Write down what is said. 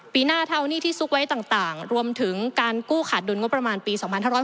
ปีหน้าเท่าหนี้ที่ซุกไว้ต่างรวมถึงการกู้ขาดดุลงบประมาณปี๒๕๖๐